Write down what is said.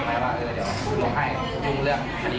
เกิดเหตุสักประมาณ๒ทุ่มได้